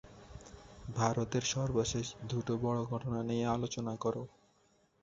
ভারতের সর্বশেষ দুটো বড় ঘটনা নিয়ে আলোচনা করো।